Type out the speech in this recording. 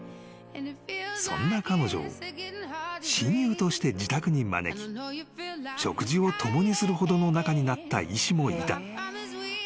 ［そんな彼女を親友として自宅に招き食事を共にするほどの仲になった医師もいた］